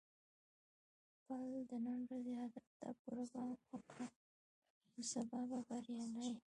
خپل د نن ورځې هدف ته پوره پام وکړه، نو سبا به بریالی یې.